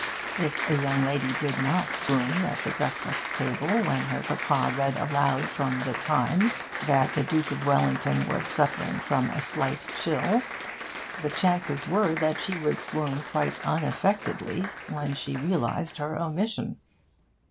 If a young lady did not swoon at the breakfast table when her Papa read aloud from The Times that the Duke of Wellington was suffering from a slight chill, the chances were that she would swoon quite unaffectedly when she realised her omission.